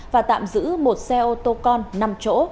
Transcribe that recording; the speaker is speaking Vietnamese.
và tạm giữ một xe ô tô con năm chỗ